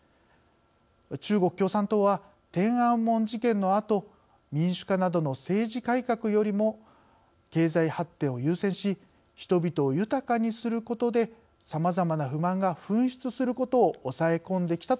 中国共産党は天安門事件のあと民主化などの政治改革よりも経済発展を優先し人々を豊かにすることでさまざまな不満が噴出することを抑え込んできたと言われています。